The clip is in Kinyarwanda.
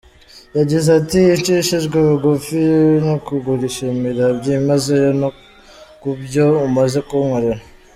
Yagize ati “Nshishijwe bugufi no kugushimira byimazeyo no ku byo umaze kunkorera.